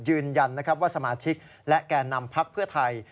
ยืนยันนะครับว่าสมาชิกและแก่นำพักเพื่อไทย